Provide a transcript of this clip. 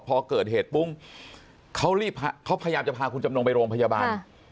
พอเกิดเหตุปุ้งเขารีบเขาพยายามจะพาคุณจำนงไปโรงพยาบาล